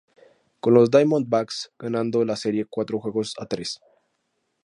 Con los Diamondbacks ganando la serie cuatro juegos a tres.